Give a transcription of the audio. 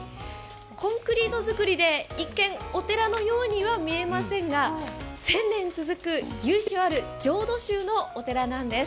コンクリート造りで、一見お寺のようには見えませんが、１０００年続く由緒ある浄土宗のお寺なんです。